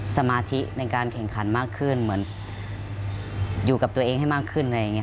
สมาธิในการแข่งขันมากขึ้นเหมือนอยู่กับตัวเองให้มากขึ้นอะไรอย่างนี้